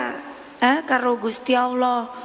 hah kalau kusti allah